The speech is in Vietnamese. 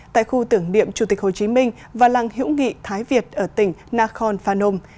tại khu tưởng niệm chủ tịch hồ chí minh và làng hiễu nghị thái việt ở tỉnh nakhon phanom